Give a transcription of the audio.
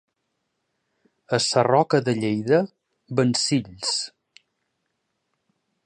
A Sarroca de Lleida, vencills.